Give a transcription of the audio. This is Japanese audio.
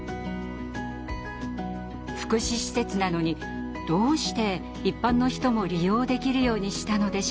福祉施設なのにどうして一般の人も利用できるようにしたのでしょうか。